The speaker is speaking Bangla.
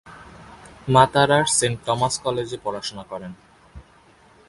মাতারা’র সেন্ট টমাস কলেজে পড়াশুনো করেন।